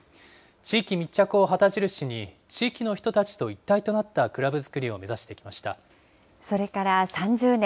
地域密着を旗印に、地域の人たちと一体となったクラブ作りを目指それから３０年。